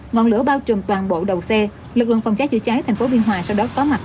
ngọn lửa bao trùm toàn bộ đầu xe lực lượng phòng cháy chữa cháy thành phố biên hòa sau đó có mặt